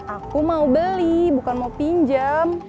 aku mau beli bukan mau pinjam